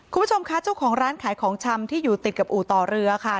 คุณผู้ชมคะเจ้าของร้านขายของชำที่อยู่ติดกับอู่ต่อเรือค่ะ